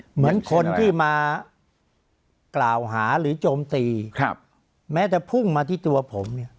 เหมือนคนที่มากล่าวหาหรือโจมตีแม้จะพุ่งมาที่ตัวผมเนี่ย